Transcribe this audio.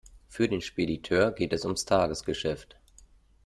Für den Spediteur geht es ums Tagesgeschäft.